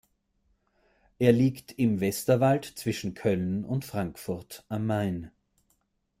Er liegt im Westerwald zwischen Köln und Frankfurt am Main.